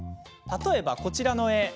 例えば、こちらの絵。